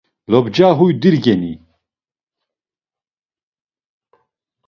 Lobca huy dirgeni?